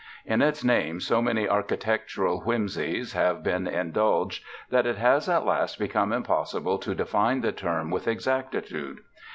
In its name so many architectural whimseys have been indulged that it has at last become impossible to de ffine the term with exactitude.